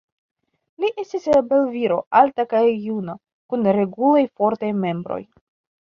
Li estis belviro, alta kaj juna, kun regulaj fortaj membroj.